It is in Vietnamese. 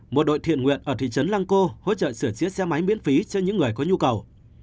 một đội thiện nguyện ở thị trấn lang co hỗ trợ sửa chế xe máy miễn phí cho những người có nhu cầu